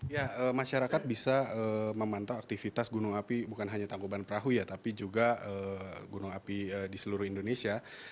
ya masyarakat bisa memantau aktivitas gunung api bukan hanya tangkuban perahu ya tapi juga gunung api di seluruh indonesia